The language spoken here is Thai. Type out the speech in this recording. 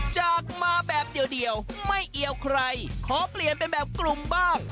จากมาแบบเดียวไม่เอียวใครขอเปลี่ยนเป็นแบบกลุ่มบ้าง